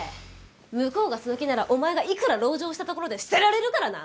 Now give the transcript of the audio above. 向こうがその気ならお前がいくら籠城したところで捨てられるからな。